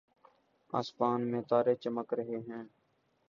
آسمان میں تارے چمک رہے ہیں